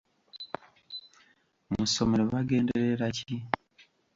Mu ssomero bagenderera ki?